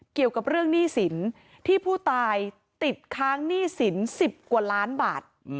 เกี่ยวกับเรื่องหนี้สินที่ผู้ตายติดค้างหนี้สิน๑๐กว่าล้านบาท